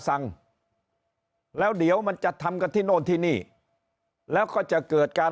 สั่งแล้วเดี๋ยวมันจะทำกันที่โน่นที่นี่แล้วก็จะเกิดการ